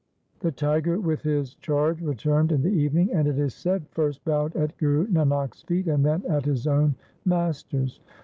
The tiger with his charge returned in the evening, and, it is said, first bowed at Guru Nanak's feet and then at his own master's.